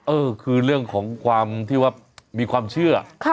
เออคือเรื่องของความที่ว่ามีความเชื่อ